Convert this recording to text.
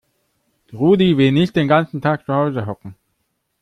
Rudi will nicht den ganzen Tag zu Hause hocken.